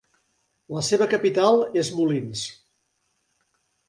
La seva capital és Moulins.